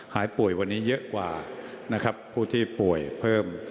หายป่วยวันนี้เยอะกว่านะครับผู้ที่ป่วยเพิ่ม